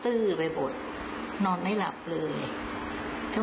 เพราะว่าตอนนี้แม่จะขายตึกแถวที่บรรจักษ์